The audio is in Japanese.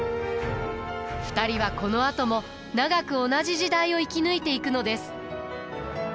２人はこのあとも長く同じ時代を生き抜いていくのです。